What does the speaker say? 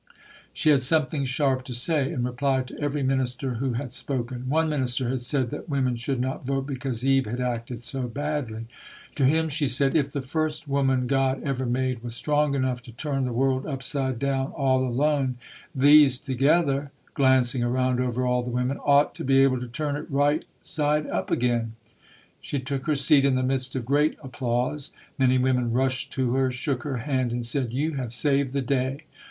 She had something sharp to say in reply to every minister who had spoken. One minister had said that women should not vote because Eve had acted 226 ] UNSUNG HEROES so badly. To him she said, "If the first woman God ever made was strong enough to turn the world upside down, all alone, these together [glancing around over all the women] ought to be able to turn it right side up again". She took her seat in the midst of great applause. Many women rushed to her, shook her hand and said, "You have saved the day".